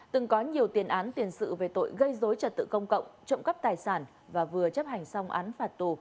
từng có nhiều tiền án tiền sự về tội gây dối trật tự công cộng trộm cắp tài sản và vừa chấp hành xong án phạt tù